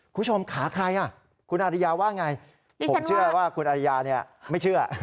คุณผู้ชมขาใครคุณอาริยาว่าไงผมเชื่อว่าคุณอริยาไม่เชื่อ